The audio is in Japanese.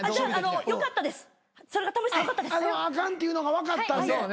あかんっていうのが分かったんで。